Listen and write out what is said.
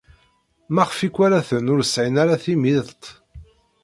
Maɣef ikwalaten ur sɛin ara timiḍt?